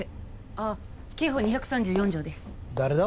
ああ刑法２３４条です誰だ？